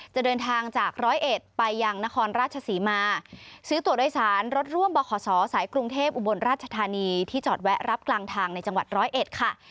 จะเดินทางจากร้อยเอ็ดไปยังนครราชศรีมาซื้อตัวโดยสารรถร่วมบขศสายกรุงเทพอุบลราชธานีที่จอดแวะรับกลางทางในจังหวัดร้อยเอ็ดค่ะ